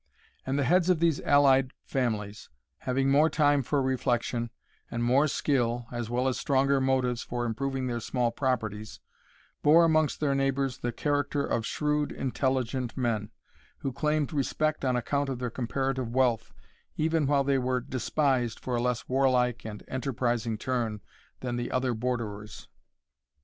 And the heads of these allied families, having more time for reflection, and more skill, as well as stronger motives for improving their small properties, bore amongst their neighbours the character of shrewd, intelligent men, who claimed respect on account of their comparative wealth, even while they were despised for a less warlike and enterprising turn than the other Borderers.